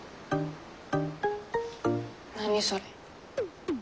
何それ。